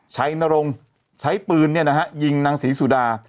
นรงค์ใช้ปืนยิงนางศรีสุดา